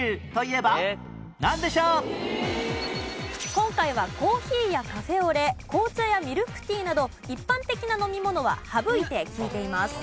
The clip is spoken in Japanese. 今回はコーヒーやカフェオレ紅茶やミルクティーなど一般的な飲み物は省いて聞いています。